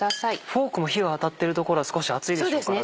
フォークも火が当たっている所は少し熱いでしょうからね。